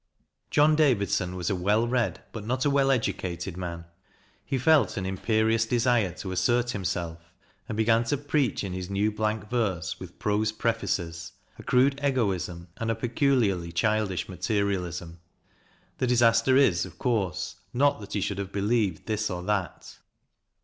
John Davidson was a well read, but not a well educated man. He felt an imperious desire to assert himself, and began to preach in his new blank verse with prose prefaces, a crude egoism and a peculiarly childish materialism. The disaster is, of course, not that he should have believed this or that.